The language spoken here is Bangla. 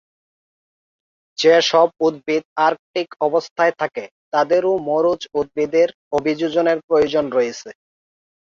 যে সব উদ্ভিদ আর্কটিক অবস্থায় থাকে, তাদেরও মরুজ উদ্ভিদের অভিযোজনের প্রয়োজন রয়েছে।